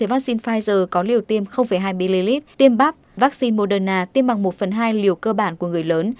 vaccine pfizer có liều tiêm hai ml tiêm bắp vaccine moderna tiêm bằng một phần hai liều cơ bản của người lớn